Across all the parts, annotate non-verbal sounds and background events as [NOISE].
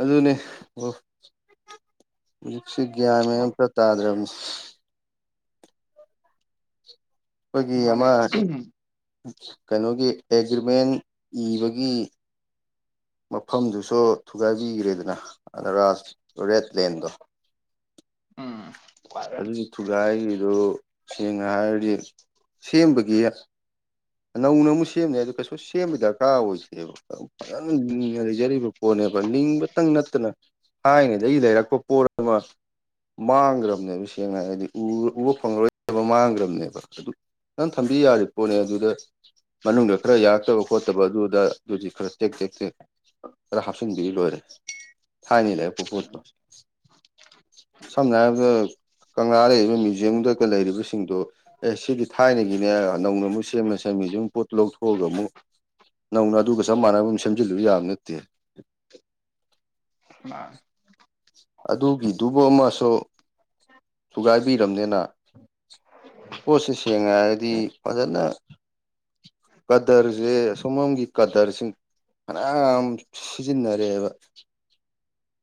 ꯑꯗꯨꯅꯦ ꯍ ꯁꯤꯒ꯭ꯃꯦꯝ ꯑꯣ ꯄꯇꯥꯥꯗ꯭ꯔꯝ ꯑꯩꯈꯣꯏꯒꯤ ꯑꯃ ꯃꯥꯅꯦ ꯎꯝ ꯀꯩꯅꯣꯒꯤ ꯑꯦꯒ꯭ꯔꯤꯃꯦꯟ ꯏꯕꯒꯤ ꯃꯐꯝꯗꯨꯁꯨ ꯊꯨꯒꯥꯏꯕꯤꯈ꯭ꯔꯦꯗꯅ ꯑꯅꯔꯖ ꯔꯦꯠ ꯂꯦꯟꯗꯣ ꯑꯝ ꯑꯗꯨꯗꯤ ꯊꯨꯒꯥꯏꯒꯤꯗꯣ ꯁꯦꯡꯅ ꯍꯥꯏꯔꯗꯤ ꯁꯦꯝꯕꯒꯤ ꯅꯧꯅ ꯑꯃꯨꯛ ꯁꯦꯝꯅꯩ ꯑꯗꯨ ꯀꯩꯁꯨ ꯁꯦꯝꯕ ꯗꯔꯀꯥꯔ ꯑꯣꯏꯗꯦꯕ ꯐꯖꯅꯅ ꯂꯩꯖꯔꯤꯕ ꯄꯣꯠꯅꯦ ꯂꯤꯡꯕꯇꯪ ꯅꯠꯇꯅ ꯊꯥꯏꯅꯩꯗꯒꯤ ꯂꯩꯔꯛꯄ ꯄꯣꯠ ꯑꯃ ꯃꯥꯡꯈ꯭ꯔꯕꯅꯦꯕ ꯁꯦꯡꯅ ꯍꯥꯏꯔꯒꯗꯤ ꯎꯕ ꯐꯪꯉꯔꯣꯏ ꯍꯥꯏꯕ ꯃꯥꯡꯈ꯭ꯔꯕꯅꯦꯕ ꯑꯗꯨ ꯅꯪ ꯊꯝꯕꯤ ꯌꯥꯔꯤ ꯄꯣꯠꯅꯦ ꯑꯗꯨꯗ ꯃꯅꯨꯡꯗ ꯈꯔ ꯌꯥꯔꯛꯇꯕ ꯈꯣꯠꯇꯕ ꯑꯗꯨꯗ ꯑꯗꯨꯗꯤ ꯈꯔ ꯇꯦꯛ ꯇꯦꯛ ꯇꯦꯛ ꯈꯔ ꯍꯥꯞꯆꯤꯟꯕꯤꯔꯤ ꯂꯣꯏꯔꯦ ꯊꯥꯏꯅ ꯂꯩꯔꯛꯄꯣ ꯄꯣꯠꯇꯣ ꯁꯖꯕꯗ ꯀꯪꯂꯥ ꯂꯩꯔꯤꯕ ꯃ꯭ꯌꯨꯖꯌꯝꯗꯨꯒ ꯂꯩꯔꯤꯕꯁꯤꯡꯗꯨꯣ ꯑꯦ ꯁꯤꯗꯤ ꯊꯥꯏꯅꯒꯤꯅꯦ ꯅꯧꯅ ꯑꯃꯨꯛ ꯁꯦꯝꯃꯁꯤ ꯁꯃꯤꯁꯤ ꯑꯃ ꯄꯣꯠ ꯂꯧꯊꯣꯛꯑꯒ ꯑꯃꯨꯛ ꯅꯧꯅ ꯑꯗꯨꯒ ꯆꯞ ꯃꯥꯟꯅꯕ ꯑꯃ ꯁꯦꯝꯖꯤꯜꯂꯨ ꯌꯥꯕ ꯅꯠꯇꯦ [UNINTELLIGIBLE] ꯑꯗꯨꯒꯤꯗꯨꯕꯨ ꯑꯃꯁꯨ ꯊꯨꯒꯥꯏꯕꯤꯔꯝꯅꯦꯅ ꯄꯁꯤꯁꯦꯉ ꯍꯥꯏꯗꯤ ꯐꯖꯅ ꯀꯗꯔꯁꯦ ꯁꯨꯃꯝꯒꯤ ꯀꯗꯔꯁꯤꯡ ꯐꯅꯌꯥꯝ ꯁꯤꯖꯤꯟꯅꯔꯦꯕ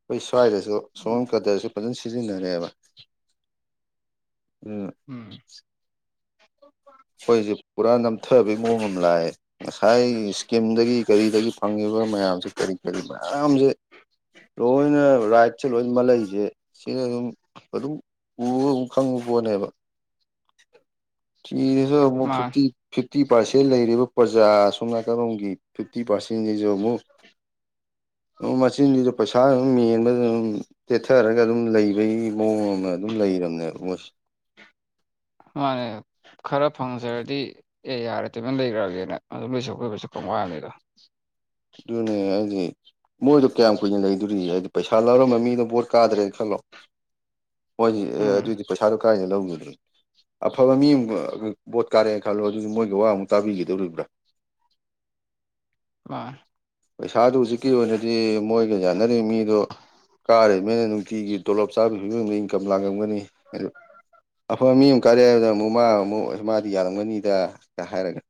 ꯑꯩꯈꯣꯏ ꯁ꯭ꯋꯥꯏꯗꯁꯨ ꯁꯣꯝ ꯀꯗꯔꯁꯨ ꯐꯖꯅ ꯁꯤꯖꯤꯟꯅꯔꯦꯕ ꯎꯝ ꯑꯩꯈꯣꯏꯁꯦ ꯄꯨꯔꯥ ꯅꯝꯊꯕꯒꯤ ꯃꯑꯣꯡ ꯑꯃ ꯂꯥꯛꯑꯦ ꯉꯁꯥꯏ ꯏꯁꯀꯤꯝꯗꯒꯤ ꯀꯔꯤꯗꯒꯤ ꯐꯪꯉꯤꯕ ꯃꯌꯥꯝꯁꯦ ꯀꯔꯤ ꯀꯔꯤ ꯃꯌꯥꯝꯁꯦ ꯂꯣꯏꯅ ꯔꯥꯏꯠꯁꯦ ꯂꯣꯏ ꯃꯥꯜꯂꯛꯏꯁꯦ ꯁꯤꯅ ꯑꯗꯨꯝ ꯑꯗꯨꯝ ꯎꯕꯒ ꯈꯪꯕ ꯄꯣꯠꯅꯦꯕ [UNINTELLIGIBLE] ꯃꯥꯅꯦ ꯐꯤꯞꯇꯤ ꯐꯤꯞꯇꯤ ꯄꯥꫪꯁꯦꯟ ꯂꯩꯔꯤꯕ ꯄ꯭ꯔꯖꯥ ꯑꯁꯣꯝ ꯅꯥꯀꯗꯣꯝꯒꯤ ꯐꯤꯐꯇꯤ ꯄꯥꫪꯁꯦꯟꯁꯤꯁꯨ ꯑꯃꯨꯛ [INAUDIBLE] ꯑꯣ ꯃꯆꯤꯟꯁꯤꯖꯨ ꯄꯩꯁꯅ ꯑꯗꯨꯝ ꯃꯦꯟꯕꯗ ꯑꯗꯨꯝ ꯇꯦꯠꯊꯔꯒ ꯑꯗꯨꯝ ꯂꯩꯕꯒꯤ ꯃꯑꯣꯡ ꯑꯃ ꯑꯗꯨꯝ ꯂꯩ ꯂꯩꯔꯝꯅꯦꯕ ꯃꫭꯏꯁꯦ ꯃꯥꯅꯦ ꯈꯔ ꯐꯪꯖꯔꯗꯤ ꯑꯦ ꯌꯥꯔꯦ ꯇꯨꯃꯤꯅ ꯂꯩꯈ꯭ꯔꯒꯦꯅ ꯑꯗꯨꯝ [UNINTELLIGIBLE] ꯋꯥꯅꯤꯗ ꯑꯗꯨꯅꯦ ꯍꯥꯏꯗꯤ ꯃꯣꯏꯗꯣ ꯀꯌꯥꯝ ꯀꯨꯏꯅ ꯂꯩꯗꯣꯔꯤꯒꯦ ꯍꯥꯏꯗꯤ ꯄꯩꯁꯥ ꯂꯧꯔꯝꯕ ꯃꯤꯅꯣ ꯚꯣꯠ ꯀꯥꯗ꯭ꯔꯦꯅ ꯈꯜꯂꯣ ꯃꯣꯏꯗꯤ ꯑꯦ ꯎꯝ ꯑꯗꯨꯏꯗꯤ ꯄꯩꯁꯥꯗꯨꯣ ꯀꯥꯏꯗꯩ ꯂꯧꯒꯗꯣꯏꯅꯣ ꯑꯐꯕ ꯃꯤ ꯑꯃꯨꯛ ꯕꯣꯠ ꯀꯥꯔꯦꯅ ꯈꯜꯂꯣ ꯑꯗꯨꯁꯨ ꯃꯣꯏꯒꯤ ꯋꯥꯃꯨꯛ ꯇꯥꯕꯤꯒꯗꯧꯔꯤꯕ꯭ꯔ [INAUDIBLE] ꯃꯥꯅꯦ ꯄꯩꯁꯥꯗꯨ ꯍꯧꯖꯤꯛꯀꯤ ꯑꯣꯏꯅꯗꯤ ꯃꯣꯏꯒ ꯌꯥꯅꯔꯤ ꯃꯤꯗꯣ ꯀꯥꯔꯤꯃꯤꯅ ꯅꯨꯡꯇꯤꯒꯤ ꯇꯣꯂꯣꯞ ꯆꯥꯕꯩ ꯐꯤꯕꯝꯗ ꯏꯟꯀꯝ ꯂꯥꯡꯂꯝꯒꯅꯤ ꯑꯐꯕ ꯃꯤ ꯑꯃ ꯀꯥꯔꯦ ꯍꯥꯏꯕꯗꯅ ꯑꯃꯨꯛ ꯃꯥ ꯑꯃꯨꯛ ꯃꯥꯗꯤ ꯌꯥꯔꯝꯒꯅꯤꯗ ꯒ ꯍꯥꯏꯔꯒ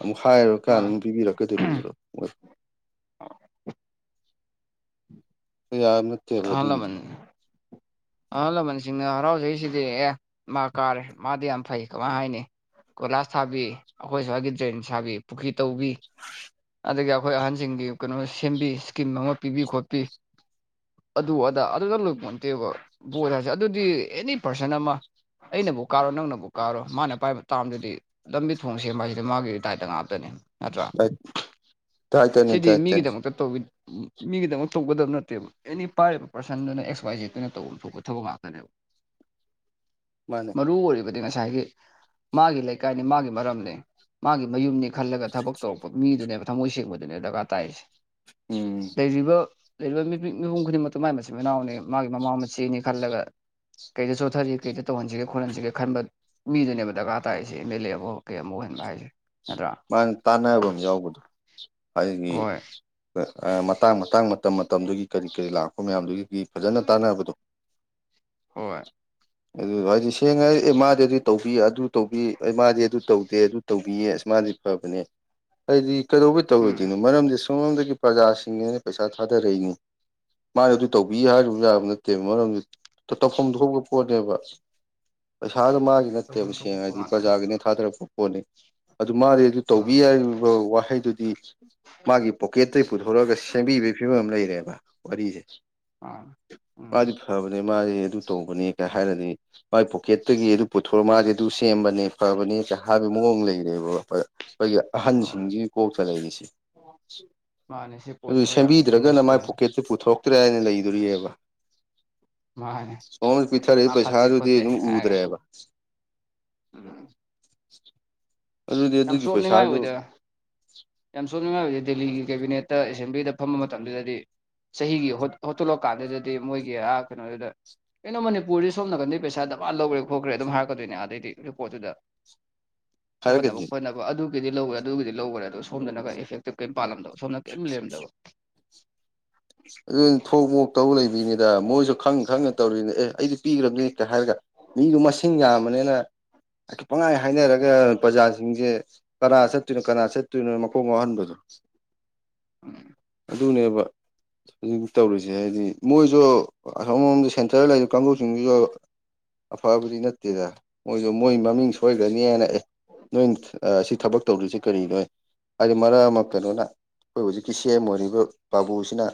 ꯑꯃꯨꯛ ꯍꯥꯏꯔꯨ ꯀꯥꯟ ꯃꯥꯅꯦ ꯄꯤꯕꯤꯔꯛ ꯀꯗꯧꯔꯤꯕꯔꯣ [INAUDIBLE] ꯑꯁ ꯑꯗꯨꯒꯤꯗꯤ ꯑꯍꯂꯃꯟ ꯁꯤꯗꯤ ꯑꯦ ꯃꯥ ꯀꯥꯔꯦ ꯃꯥꯗꯤ ꯌꯥꯝ ꯐꯩ ꯀꯃꯥꯏ ꯍꯥꯏꯅꯤ ꯀꯣꯏꯂꯥꯁ ꯊꯥꯕꯤ ꯑꯈꯣꯏ ꯁ꯭ꯋꯥꯏꯒꯤ ꯗ꯭ꯔꯦꯟ ꯁꯥꯕꯤ ꯄꯨꯈ꯭ꯔꯤ ꯇꯧꯕꯤ [INAUDIBLE] ꯑꯗꯒꯤ ꯑꯈꯣꯏ ꯑꯍꯟꯁꯤꯡꯒꯤ ꯀꯩꯅꯣ ꯁꯦꯝꯕꯤ ꯏꯁꯀꯤꯝ ꯑꯃ ꯄꯤꯕꯤ ꯈꯣꯠꯄꯤ ꯑꯗꯨ ꯑꯗꯥ ꯑꯗꯨꯗ ꯂꯣꯏꯄꯣꯟ ꯇꯦꯕ ꯕꯣꯠ ꯍꯥꯏꯁꯦ ꯑꯗꯨꯗꯤ ꯑꯦꯅꯤ ꯄꯥꫪꯁꯟ ꯑꯃ ꯑꯩꯅꯕꯨ ꯀꯥꯔꯣ ꯅꯪꯅꯕꯨ ꯀꯥꯔꯣ ꯃꯥꯅ ꯄꯥꯏꯕ ꯇꯥꯝꯗꯨꯗꯤ ꯂꯝꯕꯤ ꯊꯣꯡ ꯁꯦꯝꯕ ꯍꯥꯏꯁꯤꯗ ꯃꯥꯒꯤ ꯗꯥꯏꯇ ꯉꯥꯛꯇꯅꯤ ꯅꯠꯇ꯭ꯔꯥ ꯗꯥꯏꯠ ꯗꯥꯏꯇꯅꯤ ꯁꯤꯗꯤ ꯗꯥꯏꯇꯅꯤ ꯃꯤꯒꯤꯗꯃꯛꯇ ꯇꯧꯕꯤ ꯃꯤꯒꯤꯗꯃꯛ ꯇꯧꯒꯗꯕ ꯅꯠꯇꯦꯕ ꯑꯦꯅꯤ ꯄꯥꯏꯔꯤꯕ ꯄꯥꯔꯁꯟꯗꯨꯅ ꯑꯦꯛꯁ ꯋꯥꯏ ꯖꯦꯠꯇꯨꯅ ꯇꯧ ꯊꯣꯛꯄ ꯊꯕꯛ ꯉꯥꯛꯇꯅꯦꯕ [INAUDIBLE] ꯃꯥꯅꯦ ꯃꯔꯨ ꯑꯣꯏꯔꯤꯕ ꯗꯤ ꯉꯁꯥꯏꯒꯤ ꯃꯥꯒꯤ ꯂꯩꯀꯥꯏꯅꯤ ꯃꯥꯒꯤ ꯃꯔꯝꯅꯤ ꯃꯥꯒꯤ ꯃꯌꯨꯝꯅꯤ ꯈꯜꯂꯒ ꯊꯕꯛ ꯇꯧꯔ ꯃꯤꯗꯨꯅꯦꯕ ꯊꯃꯣꯏ ꯁꯦꯡꯕꯗꯨꯅꯦ ꯗꫪꯀꯥꫪ ꯇꯥꯏꯁꯦ ꯎꯝ ꯂꯩꯔꯤꯕ ꯂꯩꯔꯤꯕ ꯃꯤꯄꯤ ꯃꯤꯄꯨꯝ ꯈꯨꯗꯤꯡꯃꯛꯇ ꯃꯥꯢ ꯃꯆꯤꯟ ꯃꯅꯥꯎꯅꯤ ꯃꯥꯒꯤ ꯃꯃꯥ ꯃꯆꯦꯅꯤ ꯈꯜꯂꯒ ꯀꯩꯗ ꯆꯣꯠꯊꯔꯤ ꯀꯩꯗ ꯇꯧꯍꯟꯁꯤꯒꯦ ꯈꯣꯠꯍꯟꯁꯤꯒꯦ ꯈꯟꯕ ꯃꯤꯗꯨꯅꯦꯕ ꯗꯔꯀꯥꯔ ꯇꯥꯏꯔꯤꯁꯦ ꯑꯦꯝ ꯑꯦꯜ ꯑꯦ ꯑꯃ ꯀꯩ ꯑꯃꯛ ꯑꯣꯏ ꯍꯥꯏꯖꯦ ꯃꯥꯅꯦ ꯇꯥꯟꯅꯕꯝ ꯌꯥꯎꯕꯗꯣ ꯑꯩꯒꯤ ꯍꯣꯏ ꯑꯥ ꯃꯇꯥꯡ ꯃꯇꯥꯡ ꯇꯝ ꯃꯇꯝꯗꯨꯒꯤ ꯀꯔꯤ ꯀꯔꯤ ꯂꯥꯛꯄ ꯃꯌꯥꯝꯗꯨꯒꯤ ꯐꯖꯅ ꯇꯥꯟꯅꯕꯗꯣ ꯍꯣꯏ ꯑꯗꯨ ꯍꯥꯏꯗꯤ ꯁꯦꯡꯉ ꯍꯥꯢ ꯑꯦ ꯃꯥꯗꯤ ꯑꯗꯨ ꯇꯧꯕꯤ ꯑꯗꯨ ꯇꯧꯕꯤ ꯑꯩ ꯃꯥꯗꯤ ꯑꯗꯨ ꯇꯧꯗꯦ ꯑꯗꯨ ꯇꯧꯕꯤꯌꯦ ꯑꯁ ꯃꯥꯗꯤ ꯐꯕꯅꯦ ꯍꯥꯏꯗꯤ ꯀꯩꯗꯧꯕꯩ ꯎꯝ ꯇꯧꯔꯣꯢꯗꯣꯏꯅꯣ ꯃꯔꯝꯗꯤ ꯁꯣꯝꯂꯣꯝꯗꯒꯤ ꯄ꯭ꯔꯖꯥꯁꯤꯡꯅ ꯄꯩꯁꯥ ꯊꯥꯗꯔꯛꯏꯅꯤ ꯃꯥꯢ ꯑꯗꯨ ꯇꯧꯕꯤ ꯍꯥꯏꯔꯨ ꯌꯥꯕ ꯅꯠꯇꯦ ꯃꯔꯝꯗꯤ ꯇ ꯇꯧꯐꯝ ꯊꯣꯛꯄ ꯄꯣꯠꯅꯦꯕ ꯄꯩꯁꯥꯗꯣ ꯃꯥꯒꯤ ꯅꯠꯇꯦꯕ ꯇꯧꯐꯝ ꯁꯦꯡꯅ ꯊꯣꯛꯄ ꯍꯥꯏꯗꯤ ꯉꯥꯛꯇꯅꯦ ꯄ꯭ꯔꯖꯥꯒꯤꯅꯦ ꯊꯥꯗꯔꯛꯄ ꯄꯣꯠꯅꯤ ꯑꯗꯨ ꯃꯥꯗꯤ ꯗꯨ ꯇꯧꯕꯤ ꯎꯝ ꯍꯥꯢꯕ ꯋꯥꯍꯩꯗꯨꯗꯤ ꯃꯥꯒꯤ ꯄꯣꯀꯦꯠꯇꯩ ꯄꯨꯊꯣꯔꯑꯒ ꯁꯦꯝꯕꯤꯕꯩ ꯐꯤꯕꯝ ꯑꯝ ꯂꯩꯔꯦꯕ ꯋꯥꯔꯤꯁꯦ ꯃꯥꯅꯤ ꯎꯝ ꯃꯥꯗꯏ ꯑꯗꯨ ꯇꯧꯕꯅꯦ ꯀ ꯍꯥꯏꯔꯗꯤ ꯃꯥꯢ ꯄꯣꯀꯦꯠꯇꯒꯤ ꯑꯗꯨ ꯄꯨꯊꯣꯔ ꯃꯥꯖꯦ ꯑꯗꯨ ꯁꯦꯝꯕꯅꯦ ꯐꯕꯅꯦ ꯀ ꯍꯥꯢꯕ ꯃꯑꯣꯡ ꯂꯩꯔꯦꯕ ꯈꯣꯏꯒꯤ ꯍꯣꯏ ꯑꯍꯟꯁꯤꯡꯁꯤꯒꯤ ꯀꯣꯛꯇ ꯂꯩꯔꯤꯁꯤ ꯃꯥꯅꯦ ꯁꯤ ꯑꯗꯨ ꯄꯣꯠꯁꯤꯃ ꯌꯥꯝ ꯊꯤꯅ ꯁꯦꯝꯕꯤꯗ꯭ꯔꯒꯅ ꯃꯥꯏ ꯁꯣꯏꯔꯦ ꯄꯣꯀꯦꯠꯇ ꯄꯨꯊꯣꯛꯇ꯭ꯔꯦ ꯅ ꯂꯩꯗꯣꯔꯤꯑꯕ ꯃꯥꯅꯦ꯫ ꯄꯤꯊꯔꯛꯢ ꯃꯥ ꯐꯠꯇꯦ ꯄꯩꯁꯥꯗꯨꯗꯤ ꯈꯣꯠꯇꯦ ꯗꯨꯝ ꯍꯥꯏꯔꯒ ꯎꯗꯔꯦꯕ ꯎꯝ ꯌꯥꯝ ꯆꯣꯞꯅꯤꯡꯉꯥꯏ ꯑꯣꯏꯗ ꯌꯥꯝ ꯆꯣꯞꯅꯤꯡꯉꯥꯏ ꯑꯣꯏꯗꯦ ꯗꯦꯜꯂꯤꯒꯤ ꯀꯦꯕꯤꯅꯦꯠꯇ ꯑꯦꯁꯦꯝꯕ꯭ꯂꯤꯗ ꯐꯝꯕ ꯃꯇꯝꯗꯨꯗꯗꯤ ꯆꯍꯤꯒꯤ ꯍꯣꯠ ꯍꯣꯠꯇꯂꯛ ꯀꯥꯟꯗꯨꯗꯗꯤ ꯃꯣꯏꯒꯤ ꯑ ꯀꯩꯅꯣꯗꯨꯗ ꯀꯩꯅꯣ ꯃꯅꯤꯄꯨꯔꯗꯤ ꯁꯣꯝ ꯅꯥꯀꯟꯗꯩ ꯄꯩꯁꯥ ꯗꯃꯥꯟ ꯂꯧꯒ꯭ꯔꯦ ꯈꯣꯠꯈ꯭ꯔꯦ ꯑꯗꯨꯝ ꯍꯥꯏꯔꯛꯀꯗꯣꯏꯅꯦ ꯑꯗꯩꯗꯤ ꯔꯤꯄꯣꯠꯇꯨꯗ ꯍꯥꯢꯔꯛꯀꯗꯤ ꯅꯕ ꯑꯗꯨꯒꯤꯗꯤ ꯂꯧꯒ ꯑꯗꯨꯒꯤꯗꯤ ꯂꯧꯒꯔꯦ ꯑꯗꯨ ꯁꯣꯝꯗꯅ ꯒ ꯏꯐꯦꯛꯇꯤꯞ ꯀꯩꯝ ꯄꯥꯜꯂꯝꯗꯕ ꯁꯣꯝꯅ ꯀꯩꯝ ꯂꯩꯔꯝꯗꯕ꯫ [INAUDIBLE] ꯊꯣꯛ ꯃꯣꯛ ꯇꯧ ꯂꯩꯕꯤꯅꯤꯗ ꯃꯣꯏꯁꯨ ꯈꯪ ꯈꯪꯅ ꯇꯧꯔꯤꯅꯤ ꯑꯦ ꯑꯩꯗꯤ ꯄꯤꯒ꯭ꯔꯝꯅꯦ ꯍꯦꯛꯇ ꯍꯥꯏꯔꯒ ꯃꯤꯗꯨ ꯃꯁꯤꯡ ꯌꯥꯝꯕꯅꯦꯅ ꯄꯪꯉꯥꯏ ꯍꯥꯏꯅꯔꯒ ꯄ꯭ꯔꯖꯥꯁꯤꯡꯁꯦ ꯀꯅꯥ ꯆꯠꯇꯨꯢꯅꯣ ꯀꯅꯥ ꯆꯠꯇꯨꯢꯅꯣ ꯃꯀꯣꯛ ꯉꯥꯎꯍꯟꯕꯗꯣ [UNINTELLIGIBLE] ꯎꯝ꯫ ꯑꯗꯨꯅꯦꯕ꯫ ꯖꯤꯛ ꯇꯧꯔꯤꯖꯦ ꯍꯥꯏꯗꯤ ꯃꯣꯏꯁꯨ ꯑꯁꯣꯝꯗ ꯁꯦꯟꯇꯔꯗ ꯂꯩꯔꯤꯕ ꯀꯥꯡꯕꯨꯁꯤꯡꯖꯤꯁꯨ ꯑꯐꯕꯗꯤ ꯅꯠꯇꯦꯗ ꯃꯣꯏꯗꯣ ꯃꯣꯏ ꯃꯃꯤꯡ ꯁꯣꯏꯈ꯭ꯔꯅꯤ ꯍꯥꯏꯅ ꯑꯦ ꯅꯣꯏꯅ ꯁꯤ ꯊꯕꯛ ꯇꯧꯔꯤꯁꯤ ꯀꯔꯤꯅꯣꯏ ꯍꯥꯏꯗꯤ ꯃꯔꯛ ꯑꯃ ꯀꯩꯅꯣꯅ ꯑꯩꯈꯣꯏ ꯍꯧꯖꯤꯛꯀꯤ ꯁꯦꯝ ꯑꯣꯏꯔꯤꯕ ꯕꯥꯕꯨꯁꯤꯅ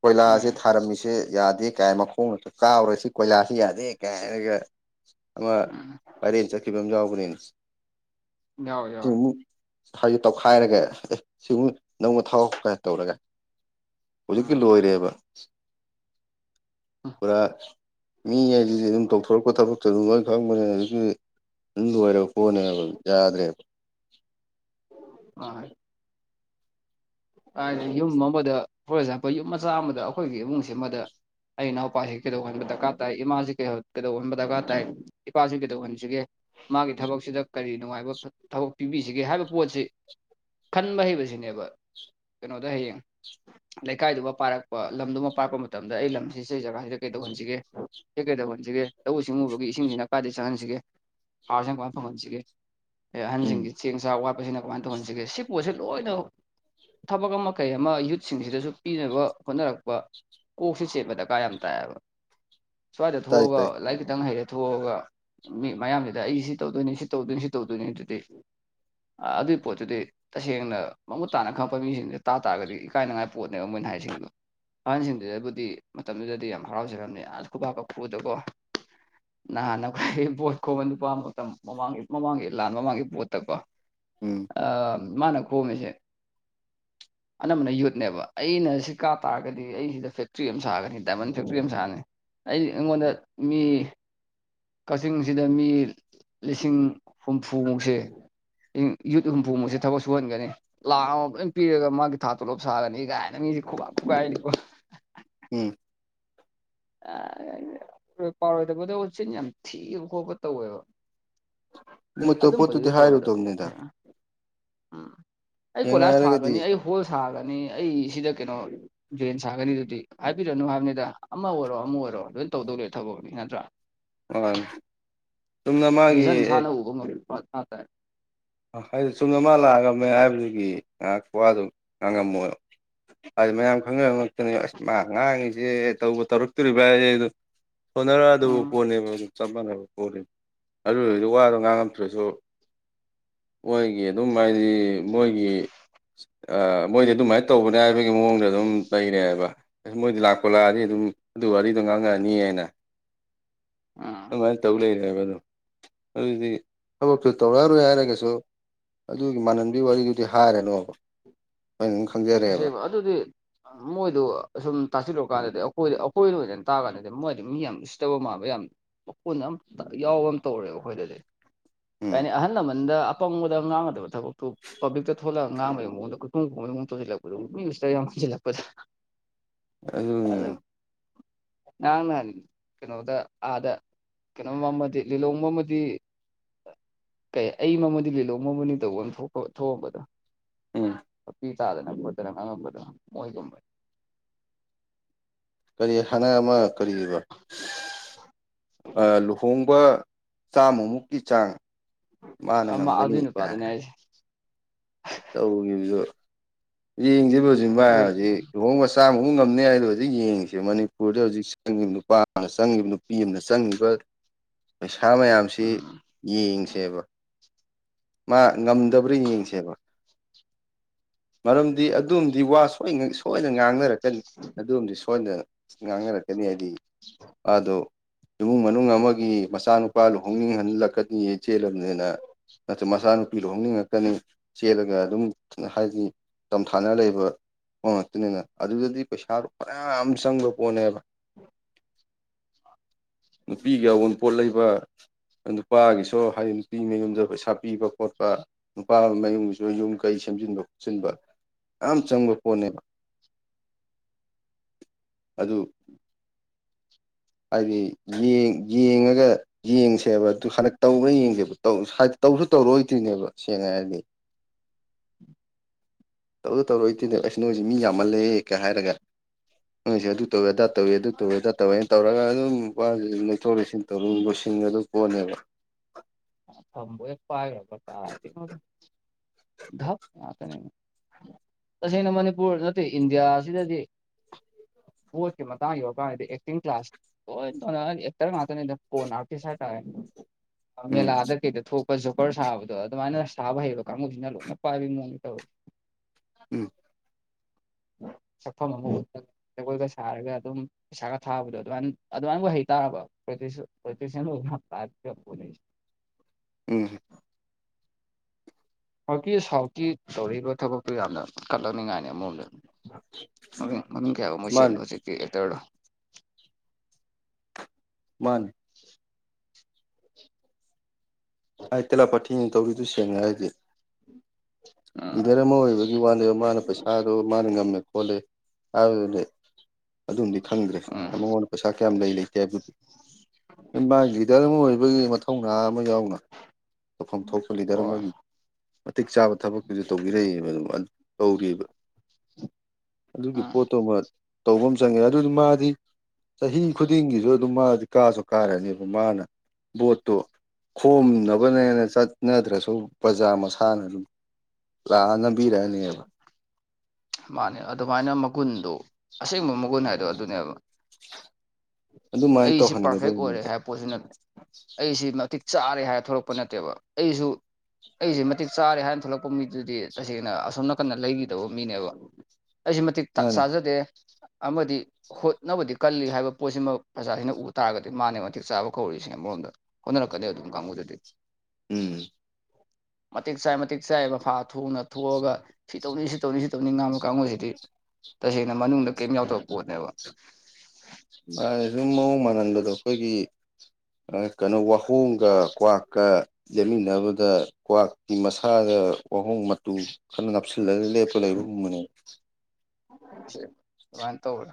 ꯀꯣꯏꯂꯥꯁꯦ ꯎꯝ ꯊꯥꯔꯝꯃꯤꯁꯦ ꯌꯥꯗꯦ ꯀꯥꯏ ꯃꯈꯣꯡꯅꯁꯨ ꯀꯥꯔꯔꯦ ꯁꯤ ꯀꯣꯏꯂꯥꯁꯁꯤ ꯌꯥꯗꯦ ꯀꯥꯏꯒ ꯑꯃ ꯎꯝ ꯄꯔꯦꯟ ꯆꯠꯈꯤꯕ ꯑꯃ ꯌꯥꯎꯕꯅꯤꯅ ꯌꯥꯏ ꯌꯥꯏ ꯍꯥꯏꯁꯨ ꯇꯧꯈꯥꯏꯔꯒꯦ ꯑꯦ ꯁꯤꯒꯨꯝ ꯅꯪ ꯊꯈ ꯇꯧꯔꯒ ꯍꯧꯖꯤꯀꯤ ꯎꯝ ꯂꯣꯏꯔꯦꯕ ꯄꯨꯔꯥ ꯃꯤ ꯍꯥꯏꯗꯨꯗꯤ ꯑꯗꯨꯝ ꯇꯧꯊꯣꯔꯛꯄ ꯊꯕꯛꯇ ꯑꯗꯨꯝ ꯂꯣꯏ ꯈꯪꯕꯅꯦꯅ ꯑꯗꯨ ꯑꯗꯨꯝ ꯅꯨꯡꯉꯥꯏꯔꯛ ꯐꯅꯦꯕ ꯌꯥꯗ꯭ꯔꯦꯕ ꯑ ꯍꯥꯏꯗꯤ ꯌꯨꯝ ꯑꯃꯗ ꯐꯣꯔ ꯑꯦꯛꯖꯥꯝꯄꯜ ꯌꯨꯝ ꯃꯆꯥ ꯑꯃꯗ ꯑꯩꯈꯣꯏꯒꯤ ꯏꯃꯨꯡꯁꯤ ꯑꯃꯗ ꯑꯩ ꯏꯅꯥꯎꯄꯥꯁꯤ ꯀꯩꯗꯧꯍꯟꯕ ꯗꯔꯀꯥꯔ ꯇꯥꯏ ꯏꯃꯥꯁꯤ ꯀꯩꯗꯧꯍꯟꯕ ꯗꯔꯀꯥꯔ ꯇꯥꯏ ꯏꯄꯥꯁꯤ ꯀꯩꯗꯧꯍꯟꯁꯤꯒꯦ ꯃꯥꯒꯤ ꯊꯕꯛꯁꯤꯗ ꯀꯔꯤ ꯅꯨꯡꯉꯥꯏꯕ ꯊꯕꯛ ꯄꯤꯕꯤꯁꯤꯒꯦ ꯍꯥꯏꯕ ꯄꯣꯠꯁꯤ ꯈꯟꯕ ꯍꯩꯕꯁꯤꯅꯦꯕ ꯀꯩꯅꯣꯗ ꯍꯌꯦꯡ ꯂꯩꯀꯥꯏꯗꯨꯃ ꯄꯥꯔꯛꯄ ꯂꯝꯗꯨꯃ ꯄꯥꯔꯛꯄ ꯃꯇꯝꯗ ꯑꯩ ꯂꯝꯁꯤ ꯁꯤ ꯖꯒꯥꯁꯤꯗ ꯀꯩꯗꯧꯍꯟꯁꯤꯒꯦ ꯍꯦꯛ ꯀꯩ ꯇꯧꯍꯟꯁꯤꯒꯦ ꯂꯧꯎ ꯁꯤꯡꯎꯕꯒꯤ ꯏꯁꯤꯡꯁꯤꯅ ꯀꯥꯏꯗꯩ ꯆꯪꯍꯟꯁꯤꯒꯦ ꯍꯥꯔꯁꯪ ꯀꯥꯟ ꯐꯪꯍꯟꯁꯤꯒꯦ ꯑꯦ ꯎꯝ ꯑꯍꯟꯁꯤꯡꯒꯤ ꯆꯦꯡ ꯆꯥꯛ ꯋꯥꯠꯄꯁꯤꯅ ꯀꯃꯥꯏꯅ ꯇꯧꯍꯟꯁꯤꯒꯦ ꯁꯤ ꯄꯣꯠꯁꯦ ꯂꯣꯏꯅꯃꯛ ꯊꯕꯛ ꯑꯃ ꯀꯩ ꯑꯃ ꯌꯨꯠꯁꯤꯡꯁꯤꯗꯁꯨ ꯄꯤꯅꯕ ꯍꯣꯠꯅꯔꯛꯄ ꯀꯣꯛꯁꯤꯦ ꯆꯦꯠꯄ ꯗꯀꯥ ꯌꯥꯝ ꯇꯥꯏꯑꯕ ꯁ꯭ꯋꯥꯏꯗ ꯇꯥꯏ ꯊꯣꯛꯑꯒ ꯇꯥꯏ ꯂꯥꯏꯔꯤꯛ ꯈꯤꯇꯪ ꯍꯩꯔꯦ ꯊꯣꯛꯑꯒ ꯃꯤ ꯃꯌꯥꯝꯁꯤꯗ ꯑꯩ ꯁꯤ ꯇꯧꯗꯣꯏꯅꯤ ꯁꯤ ꯇꯧꯗꯣꯏꯅꯤ ꯁꯤ ꯇꯧꯗꯣꯏꯅꯤ ꯑꯗꯨꯗꯤ ꯑ ꯑꯗꯨꯒꯤ ꯄꯣꯠꯇꯨꯗꯤ ꯇꯁꯦꯡꯅꯃꯨ ꯇꯥꯅ ꯈꯪꯛꯄ ꯃꯤꯁꯤꯡꯁꯦ ꯇꯥ ꯇꯥꯔꯒꯗꯤ ꯏꯀꯥꯏꯅꯉꯥꯏ ꯄꯣꯠꯅꯦꯕ ꯃꯣꯏꯅ ꯍꯥꯏꯁꯤꯡꯗꯣ. ꯑꯉꯟꯁꯤꯡꯗꯨꯗꯕꯨꯗꯤ ꯃꯇꯝꯗꯨꯗꯗꯤ ꯌꯥꯝ ꯍꯔꯥꯎꯖꯔꯝꯃꯦ ꯑ ꯈꯨꯄꯥꯛꯥꯛ ꯀ ꯈꯨꯨꯗꯀꯣ ꯅꯍꯥꯟ ꯑꯩꯈꯣꯏ ꯄꯚꯣꯠ ꯈꯣꯕ ꯅꯨꯄꯥ ꯃꯇꯝ ꯃꯃꯥꯡꯒꯤ ꯃꯃꯥꯡꯒꯤ ꯂꯥꯟ ꯃꯃꯥꯡꯒꯤ ꯄꯣꯠꯇꯀꯣ ꯎꯝ ꯑ ꯃꯥꯅ ꯈꯣꯝꯃꯦꯁꯦ [INAUDIBLE] ꯑꯅꯝꯕꯅ ꯌꯨꯠꯅꯦꯕ ꯑꯩꯅ ꯁꯤ ꯀꯥ ꯇꯥꯔꯒꯗꯤ ꯑꯩ ꯁꯤꯗ ꯐꯦꯛꯇ꯭ꯔꯤ ꯑꯃ ꯁꯥꯒꯅꯤ ꯗꯥꯏꯃꯟ ꯐꯦꯛꯇ꯭ꯔꯤ ꯑꯃ ꯁꯥꯒꯅꯤ ꯑꯩ ꯑꯩꯉꯣꯟꯗ ꯃꯤ ꯀꯛꯆꯤꯡꯁꯤꯗ ꯃꯤ ꯂꯤꯁꯤꯡ ꯍꯨꯝꯐꯨꯃꯨꯛꯁꯦ ꯌꯨꯠ ꯍꯨꯝꯐꯨꯃꯨꯛꯁꯦ ꯊꯕꯛ ꯁꯨꯍꯟꯒꯅꯤ ꯂꯥꯡ ꯑꯃ ꯂꯣꯏ ꯄꯤꯔꯒ ꯃꯥꯒꯤ ꯊꯥ ꯇꯣꯂꯣꯞ ꯁꯥꯒꯅꯤ ꯀꯥꯏꯅ ꯃꯤ ꯈꯨꯒꯥꯏꯕ [INAUDIBLE] ꯄꯥꯎꯔꯣꯏꯗꯕꯗꯣꯆꯤꯟ ꯌꯥꯝ ꯊꯤꯕ ꯈꯣꯠꯄ ꯇꯧꯋꯦꯕ ꯃꯠꯇ ꯄꯗꯤ ꯑꯗꯨꯝꯕꯗꯨꯗꯤ ꯍ ꯍꯥꯏꯔ ꯎꯗꯅꯤꯗ ꯇꯧꯔꯣꯏꯗꯕꯅꯤ ꯎꯝ ꯑꯩ ꯀꯣꯂꯥꯖ ꯍꯥꯏꯔꯒꯗꯤ ꯁꯥꯒꯅꯤ ꯑꯩ ꯍꯣꯜ ꯁꯥꯒꯅꯤ ꯑꯩ ꯁꯤꯗ ꯀꯩꯅꯣ ꯖꯦꯟ ꯁꯥꯒꯅꯤꯗꯨꯗꯤ ꯍꯥꯏꯕꯤꯔꯛꯅꯨ ꯍꯥꯏꯕꯅꯤꯗ ꯑꯃ ꯑꯣꯏꯔꯣ ꯑꯃ ꯑꯣꯏꯔꯣ ꯂꯣꯏꯅ ꯇꯧꯗꯧꯔꯦ ꯊꯕꯛꯗꯤ ꯅꯠꯇ꯭ꯔꯥ ꯑꯣ ꯖꯟ ꯁꯅ ꯎꯕ ꯃ ꯍꯥꯏꯗꯤ ꯆꯨꯝꯅ ꯑꯃ ꯂꯥꯛꯑꯒꯃꯦ ꯍꯥꯏꯕꯗꯨꯒꯤ ꯉꯥꯏꯍꯥꯛ ꯋꯥꯗꯨ ꯉꯥꯡꯉꯝꯃꯣꯏ ꯑꯗꯨ ꯃꯌꯥꯝ ꯈꯪꯕ ꯉꯥꯛꯇꯅꯦ ꯑꯁ ꯃꯥ ꯉꯥꯡꯉꯤꯁꯦ ꯇꯧꯕ ꯇꯧꯔꯛꯇꯣꯔꯤꯕ꯭ꯔ ꯍꯥꯏꯦ ꯑꯗ ꯁꯣꯅꯔꯛ ꯑꯗꯨꯕꯨ ꯎꯝ ꯐꯣꯟꯅꯦꯕ ꯑꯗꯨꯝ ꯆꯞ ꯃꯥꯟꯅꯩ ꯍꯦ ꯑꯗꯨꯔꯗꯤ ꯋꯥꯗꯣ ꯉꯥꯡꯉꯝꯛꯇ꯭ꯔꯁꯨ ꯃꯣꯏꯒꯤ ꯑꯗꯨꯝ ꯍꯥꯏꯗꯤ ꯃꯣꯏꯒꯤ ꯃꯣꯏꯗꯤ ꯑꯗꯨꯃꯥꯏꯅ ꯇꯧꯕꯅꯦ ꯍꯥꯏꯕꯒꯤ ꯃꯑꯣꯡꯗ ꯑꯗꯨꯝ ꯂꯩꯔꯦ ꯍꯥꯏꯕ ꯑꯁ ꯃꯣꯏꯗꯤ ꯂꯥꯛꯄ ꯀꯣꯂꯛꯑꯗꯤ ꯑꯗꯨꯝ ꯑꯗꯨ ꯋꯥꯔꯤꯗꯣ ꯉꯥꯡꯉꯛꯑꯅꯤ ꯍꯥꯏꯅ ꯎꯝ ꯑꯗꯨꯃꯥꯏꯅ ꯇꯧ ꯂꯩ ꯗꯣ ꯑꯗꯨꯗꯤ ꯊꯕꯛꯇ ꯇꯧꯔꯛꯑꯔꯣꯏ ꯍꯥꯏꯔꯒꯦ ꯀꯩꯁꯨ ꯑꯗꯨꯒꯤ ꯃꯅꯟꯕꯤ ꯋꯥꯔꯤꯗꯨꯗꯤ ꯍꯥꯏꯔꯅꯣꯕ ꯑꯩꯅ ꯑꯗꯨꯝ ꯈꯪꯖꯔꯦꯕ ꯑꯁꯦꯡꯕ ꯑꯗꯨꯗꯤ ꯃꯣꯏꯗꯨ ꯑ ꯁꯨꯝ ꯇꯥꯁꯤꯜꯂꯨꯀꯥꯟꯗꯗꯤ ꯑꯩꯈꯣꯏꯗꯤ ꯀꯣꯏꯔꯣꯏꯗꯅ ꯇꯥꯔꯥꯟꯅꯗꯤ ꯃꯣꯏꯗꯤ ꯃꯤ ꯌꯥꯝ ꯏꯁꯇꯕ ꯃꯥꯟꯕ ꯌꯥꯝ ꯀꯣꯟꯟ ꯑꯃ ꯌꯥꯎꯕ ꯑꯃ ꯇꯧꯔꯦꯕ ꯑꯩꯈꯣꯏꯗꯗꯤ ꯎꯝ ꯀꯅꯤ ꯑꯍꯜꯅ ꯃꯗ ꯑꯄꯪꯕꯗ ꯉꯥꯡꯒꯗꯕ ꯊꯕꯛꯇꯨ ꯄꯥꯕ꯭ꯂꯤꯛꯇ ꯊꯣꯛꯂꯛꯒ ꯉꯥꯡꯉꯕꯒꯤ ꯃꯑꯣꯡꯗ ꯀ ꯂꯥꯛꯄꯗꯤꯁ ꯌꯥꯝ ꯂꯥꯛꯄꯗ ꯑꯗꯨꯅꯦ ꯌꯥ ꯂꯅꯤ ꯀꯩꯅꯣꯗ ꯑꯗ ꯀꯩꯅꯣꯝꯃ ꯂꯤꯂꯣꯡꯕ ꯑꯃꯗꯤ ꯀꯩ ꯑꯩ ꯃꯃꯗꯤ ꯂꯤꯂꯣꯡ ꯃꯃꯅꯤ ꯇꯧꯕ ꯑꯃ ꯊꯣꯛꯄ ꯊꯣꯛꯑꯝꯕꯗꯣ ꯎꯝ ꯆꯥꯗꯅꯗꯅ ꯑꯉꯝꯕꯗꯅ ꯃꯣꯏꯒꯝꯕꯅꯤ ꯀꯔꯤ ꯍꯅ ꯑꯃ ꯀꯔꯤꯔꯤꯕ ꯂꯨꯍꯣꯡꯕ ꯆꯥꯝꯃꯃꯨꯛꯀꯤ ꯆꯥꯡ ꯃꯥꯅ ꯑꯃ ꯑꯗꯨꯏ ꯉꯒꯅꯤꯉ ꯅꯨꯄꯥꯗꯨꯅꯦ ꯅꯦ ꯍꯥꯏꯁꯦ ꯇꯧꯈꯤꯕꯗꯣ ꯌꯦꯡꯗ꯭ꯔꯤꯕ ꯍꯧꯖꯤꯃ ꯍꯧꯖꯤꯛ ꯂꯨꯍꯣꯡꯕꯆꯥ ꯑꯃ ꯈꯪ ꯉꯝꯅꯤ ꯍꯥꯏꯗ ꯍꯧꯖꯤꯛ ꯌꯦꯡꯉꯤꯁꯦ ꯃꯅꯤꯄꯨꯔꯗ ꯍꯧꯖꯤꯛ ꯆꯪꯉꯤꯕ ꯅꯨꯄꯥ ꯑꯃꯅ ꯆꯪꯉꯤꯕ ꯅꯨꯄꯤ ꯑꯃꯅ ꯆꯪꯉꯤꯕ ꯑ ꯁꯥ ꯃꯌꯥꯝꯁꯤ ꯎꯝ ꯌꯦꯡꯁꯦꯕ ꯃꯥ ꯉꯝꯗꯕ꯭ꯔꯥ ꯌꯦꯡꯁꯦꯕ ꯃꯔꯝꯗꯤ ꯑꯗꯨꯝꯗꯤ ꯋꯥ ꯁꯣꯏꯅ ꯉꯥꯡꯅꯔꯛꯀꯦ ꯑꯗꯨꯝꯗꯤ ꯁꯣꯏꯗ ꯉꯥꯡꯅꯔꯛꯀꯅꯤ ꯍꯥꯏꯗꯤ ꯑꯗꯣ ꯏꯃꯨꯡ ꯃꯅꯨꯡ ꯑꯃꯒꯤ ꯃꯆꯥꯅꯨꯄꯥ ꯂꯨꯍꯣꯡꯅꯤꯡꯍꯜꯂꯛꯀꯅꯤ ꯆꯦꯜꯂ ꯅ ꯅꯠꯇ꯭ꯔ ꯃꯆꯥꯅꯨꯄꯤ ꯂꯍꯣꯡꯅꯤꯡꯉꯛꯀꯅꯤ ꯆꯦꯜꯂꯒ ꯑꯗꯨꯝ ꯍꯥꯏꯗꯤ ꯆꯝꯊꯥꯅ ꯂꯩꯕ ꯑꯣ ꯑꯗꯨꯅꯤꯅ ꯑꯗꯨꯗꯗꯤ ꯄꯩꯁꯥꯗꯨꯣ ꯐꯔꯌꯥꯝ ꯆꯪꯕ ꯄꯣꯠꯅꯦꯕ [INAUDIBLE] ꯅꯨꯄꯤꯒꯤ ꯑꯎꯣꯟꯄꯣꯠ ꯂꯩꯕ ꯅꯨꯄꯥꯒꯤꯁꯨ ꯍꯥꯏꯗꯤ ꯅꯨꯄꯤ ꯃꯌꯨꯝꯗ ꯄꯩꯁꯄꯤꯕ ꯈꯣꯠꯄ ꯅꯨꯄꯥ ꯃꯌꯨꯝ ꯌꯨꯝ ꯀꯩ ꯁꯦꯝꯟꯕ ꯈꯣꯟꯕ ꯌꯥꯝ ꯆꯪꯕ ꯄꯣꯠꯅꯦꯕ ꯑꯗꯨ ꯍꯥꯏꯗꯤꯡ ꯌꯦꯡꯉꯒ ꯌꯦꯡꯁꯦꯕ ꯑꯗꯨ ꯍꯟꯗꯛ ꯇꯧ꯭ꯔ ꯌꯦꯡꯁꯦꯕ ꯨ ꯇꯧꯔꯑꯣꯏꯗ꯭ꯣꯏꯅꯦꯕ ꯁꯦꯡꯅ ꯍꯥꯏꯔꯗꯤ ꯇꯧꯗꯣ ꯇꯧꯔꯣ ꯏꯇꯦꯅꯦ ꯑꯩꯁ ꯅꯣꯏꯁꯦ ꯃꯤ ꯌꯥꯝꯃꯜꯂꯦꯒ ꯍꯥꯏꯔꯒ ꯅꯣꯏꯁꯦ ꯑꯗꯨ ꯇꯨ ꯑꯗꯥ ꯇꯧꯋꯤ ꯑꯗꯨ ꯇꯣꯒꯗꯥ ꯇꯧꯋꯦ ꯇꯧꯔꯒ ꯑꯗꯨꯝꯄꯥꯁꯦ ꯂꯩꯊꯣꯛ ꯂꯩꯁꯤꯟ ꯇꯧꯔ ꯂꯣꯏꯁꯤꯡ ꯑꯗꯨ ꯀꯣꯟꯅꯦꯕ ꯀꯗꯤꯙ ꯇꯁꯦꯡꯅ ꯃꯅꯤꯄꯨꯔ ꯅꯠꯇꯦ ꯏꯟꯗꯤꯌꯥ ꯁꯤꯗꯗꯤ ꯄꯀꯤꯦ ꯃꯇꯥꯡ ꯌ ꯀꯗꯤ ꯑꯦꯛꯇꯤꯡ ꯀ꯭ꯂꯥꯁ ꯑꯣꯇꯔ ꯃꯥꯅꯦ ꯐꯣꯟꯅ ꯑꯥꯎꯇꯤ ꯁꯥꯏꯠ ꯎꯝ ꯗ ꯊꯣꯛꯄ ꯖꯣꯀꯔ ꯁꯥꯕꯗꯣ ꯑꯗꯨꯃꯥꯏꯅ ꯁꯥꯕ ꯍꯩꯔꯣ ꯀꯥꯡꯕꯨꯁꯤꯅ ꯂꯣꯏꯅ ꯄꯥꯏꯕ ꯃꯑꯣꯡꯗ ꯇꯧꯔꯁꯦ ꯎꯝ ꯎ ꯁꯛꯐꯝ ꯑꯃ ꯎ ꯖꯒꯣꯏꯒ ꯁꯥꯔꯒ ꯑꯗꯨꯝ ꯄꯩꯁꯥꯒ ꯊꯥꯕꯗꯣ ꯑꯗꯨꯃꯥꯏ ꯑꯗꯨꯃꯥꯏꯅ ꯑꯣꯏꯍꯩ ꯇꯥꯔꯕ ꯄꯁꯄ ꯎꯝ ꯍꯧꯀꯤ ꯁꯥꯎꯠꯀꯤ ꯇꯧꯔꯤꯕ ꯊꯕꯛꯇꯨ ꯌꯥꯝꯅ ꯀꯠꯂꯛꯅꯤꯡꯉꯥꯏꯅꯤ ꯑꯃꯃꯝ ꯂꯩꯕ ꯑꯗꯨ ꯃꯅꯨꯡ ꯀꯌꯥꯒꯨꯝ ꯑꯃ ꯃꯥꯅꯤ ꯁꯦꯝꯗꯣ ꯍꯧꯖꯤꯛꯇꯤ ꯍꯇꯔꯔꯣ ꯃꯥꯅꯤ ꯑꯩ ꯇꯦꯂꯥ ꯄꯥꯊꯤꯅꯤ ꯇꯧꯔꯤꯗꯨ ꯁꯦꯡꯅꯦ ꯍꯥꯏꯗꯤ ꯎꯝ ꯂꯤꯗꯔ ꯑꯃ ꯑꯣꯏꯕꯒꯤ ꯋꯥꯗ ꯃꯥꯅ ꯄꯩꯁꯥꯗꯣ ꯃꯥꯅ ꯉꯝꯃꯦ ꯂꯦꯦ ꯑꯗꯨ ꯈꯪꯗ꯭ꯔꯦ ꯎꯝ ꯃꯉꯣꯟꯗ ꯄꯩꯁꯥ ꯀꯌꯥꯝ ꯂꯩ ꯂꯩꯇꯦ ꯍꯥꯏꯕꯗꯤ ꯃꯥꯒꯤ ꯏꯝ ꯑꯣꯏꯣꯏꯕꯒꯤ ꯃꯊꯧꯅ ꯑꯃ ꯌꯥꯎꯅ ꯇꯧꯐꯝ ꯊꯣꯛꯄ ꯂꯤꯗꯔ ꯍꯣꯏ ꯑꯃꯒꯤ ꯃꯇꯤꯛ ꯆꯥꯕ ꯊꯕꯛ ꯇꯧ ꯑꯗꯨꯒꯤ ꯎꯝ ꯄꯣꯠꯇꯣ ꯑꯃ ꯇꯧꯕꯐꯝ ꯆꯪꯉꯦ ꯑꯗꯨꯗꯤ ꯃꯥꯗꯤ ꯆꯍꯤ ꯈꯨꯗꯤꯡꯒꯤꯁꯨ ꯑꯗꯨꯝ ꯃꯥꯗꯤ ꯀꯥꯁꯨ ꯀꯥꯔꯅꯦꯕ ꯃꯥꯅ ꯕꯣꯠꯇꯨ ꯈꯣꯝꯅꯕꯅꯦꯅ ꯆꯠꯅꯗ꯭ꯔꯁꯨ ꯑꯗꯨ ꯕ꯭ꯔꯖꯥꯔ ꯃꯁꯥꯅ ꯑꯗꯨꯝ ꯂꯥꯛꯑꯅꯕꯤꯔꯛꯑꯅꯦꯕ ꯃꯥꯅꯦ ꯑꯗꯨꯃꯥꯏꯅ ꯃꯒꯨꯟꯗꯣ ꯑꯁꯦꯡꯕ ꯃꯒꯨꯟ ꯍꯥꯏꯗꯣ ꯑꯗꯨꯅꯦꯕ ꯑꯗꯨꯃꯥꯏꯅ ꯑꯩꯁꯤ ꯄꯔꯐꯦꯛ ꯑꯣꯏꯔꯦ ꯇꯧꯍꯟꯒꯗꯧꯕꯅꯤꯗ ꯍꯥꯏꯕ ꯄꯣꯠꯁꯨ ꯅꯠꯇꯦ ꯑꯩꯁꯤ ꯃꯇꯤꯛ ꯆꯥꯔꯦ ꯍꯥꯏꯔ ꯊꯣꯛꯂꯛꯄ ꯅꯠꯇꯦꯕ ꯑꯩꯁꯨ ꯑꯩꯁꯦ ꯃꯇꯤꯛ ꯆꯥꯔꯦ ꯍꯥꯏꯅ ꯊꯣꯛꯂꯛꯄ ꯃꯤꯗꯨꯗꯤ ꯇꯁꯦꯡꯅ ꯑꯁꯣꯝ ꯅꯥꯀꯟꯅ ꯂꯩꯈꯤꯗꯕ ꯃꯤꯅꯦꯕ ꯑꯩꯁꯨ ꯃꯇꯤꯛ ꯃꯥꯅꯤ ꯆꯥꯖꯗꯦ ꯑꯃꯗꯤ ꯍꯣꯠꯅꯕꯗꯤ ꯀꯜꯂꯤ ꯍꯥꯏꯕ ꯄꯣꯠꯁꯤꯃꯛ ꯄ꯭ꯔꯖꯥꯁꯤꯅ ꯎ ꯇꯥꯔꯒꯗꯤ ꯃꯥꯅꯦ ꯃꯇꯤꯛ ꯆꯥꯕ ꯀꯧꯔꯤꯁꯤ ꯑꯃꯔꯣꯝꯗ ꯍꯣꯠꯅꯔꯛꯀꯅꯤ ꯑꯗꯨꯝ ꯀꯥꯡꯕꯨꯗꯗꯤ ꯎꯝ ꯃꯇꯤꯛ ꯆꯥꯏ ꯃꯇꯤꯦꯛ ꯆꯥꯏ ꯃꯐꯥ ꯊꯣꯡꯅ ꯊꯣꯛꯑꯒ ꯁꯤ ꯇꯧꯅꯤ ꯁꯤ ꯇꯧꯅꯤ ꯁꯤ ꯇꯧꯅꯤ ꯉꯥꯡꯕ ꯀꯥꯡꯕꯨꯁꯤꯗꯤ ꯇꯁꯦꯡꯅ ꯃꯅꯨꯡꯗ ꯀꯔꯤꯝ ꯌꯥꯎꯗꯕ ꯄꯣꯠꯅꯦꯕ ꯃꯥ ꯁꯨꯝ ꯃꯑꯣꯡ ꯃꯥꯟꯍꯟꯕꯗꯣ ꯑꯩꯈꯣꯏꯒꯤ ꯀꯩꯅꯣ ꯋꯥꯍꯣꯡꯒ ꯀ꯭ꯋꯥꯛꯀ ꯂꯃꯤꯟꯅꯕꯗ ꯀ꯭ꯋꯥꯛꯀꯤ ꯃꯁꯥꯗ ꯋꯥꯍꯣꯡ ꯃꯇꯨ ꯀꯟꯅ ꯉꯥꯞꯁꯤꯜꯂꯒ ꯂꯦꯞꯄ ꯂꯩꯕꯒꯨꯝꯕꯅꯦ ꯅ ꯇꯧꯔ